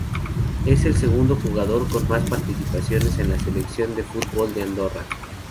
Es el segundo jugador con más participaciones en la selección de fútbol de Andorra.